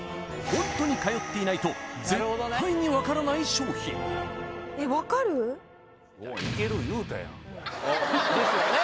ホントに通っていないと絶対に分からない商品・ですよね・